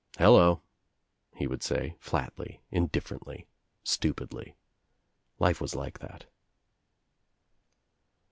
"Hello," he would say, flatly, Indifierently, stupidly. Life was like that.